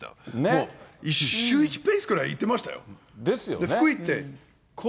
もう週１ペースぐらいで行ってましたよ。ですよね。